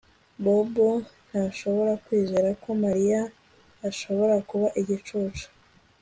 Bobo ntashobora kwizera ko Mariya ashobora kuba igicucu